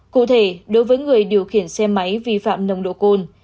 cụ thể đối với người điều khiển xe máy vi phạm nồng độ cồn